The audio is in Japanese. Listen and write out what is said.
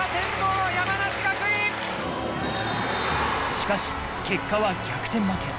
しかし結果は逆転負け。